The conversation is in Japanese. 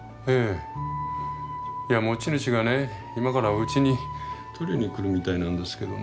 持ち主がね今からうちに取りに来るみたいなんですけどね。